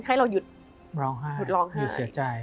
ให้เราหยุดร้องไห้